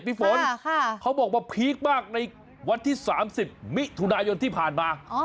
พี่ฝนค่ะค่ะเขาบอกว่าพีคมากในวัดที่สามสิบมิธุนายนที่ผ่านมา